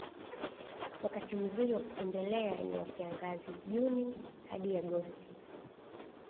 Wakati mzuri wa kutembelea ni wa Kiangazi June hadi Agosti